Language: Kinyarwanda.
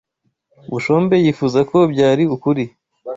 Bushombe yifuza ko byari ukuri.